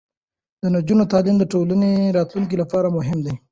د نجونو تعلیم د ټولنې راتلونکي لپاره مهم دی.